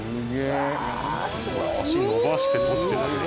足伸ばして閉じてだけで。